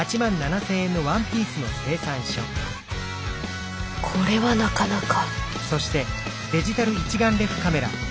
心の声これはなかなか。